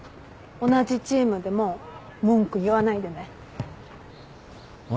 同じチームでも文句言わないでね。